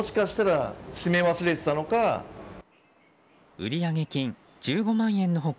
売上金１５万円の他